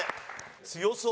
強そう？